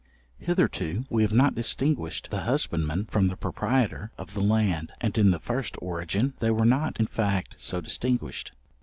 Hitherto we have not distinguished the husbandman from the proprietor of the land; and in the first origin they were not in fact so distinguished.